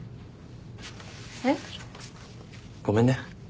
えっ？ごめんね。